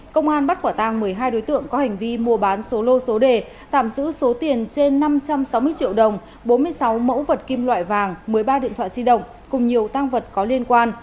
công an bắt quả tang một mươi hai đối tượng có hành vi mua bán số lô số đề tạm giữ số tiền trên năm trăm sáu mươi triệu đồng bốn mươi sáu mẫu vật kim loại vàng một mươi ba điện thoại di động cùng nhiều tăng vật có liên quan